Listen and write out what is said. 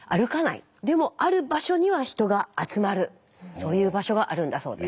そういう場所があるんだそうです。